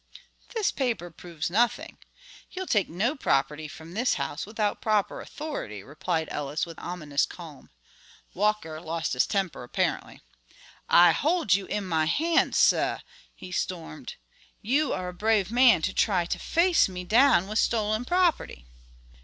"This paper proves nothing. You'll take no property from this house without proper authority," replied Ellis with ominous calm. Walker lost his temper, apparently. "I hold you in my hand, sah!" he stormed; "you are a brave man to try to face me down with stolen property."